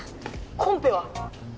☎コンペは！？